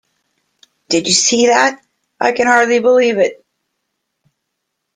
Did you see that? I can hardly believe it!